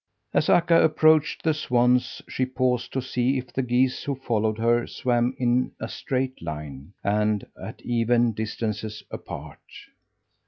As Akka approached the swans she paused to see if the geese who followed her swam in a straight line, and at even distances apart.